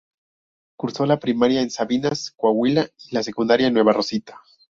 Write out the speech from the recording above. Cursó la primaria en Sabinas, Coahuila y la secundaría en Nueva Rosita.